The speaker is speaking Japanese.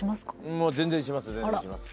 もう全然します